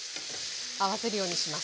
合わせるようにします。